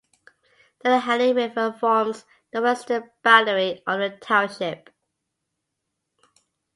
The Allegheny River forms the western boundary of the township.